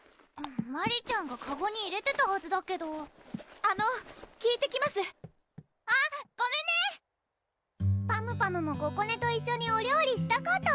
マリちゃんがかごに入れてたはずだけどあの聞いてきますあっごめんねパムパムもここねと一緒にお料理したかった